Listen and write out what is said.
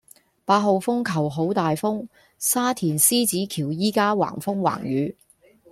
八號風球好大風，沙田獅子橋依家橫風橫雨